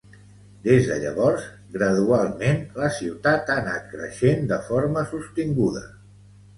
Des de llavors, gradualment, la ciutat ha anat creixent de forma sostinguda.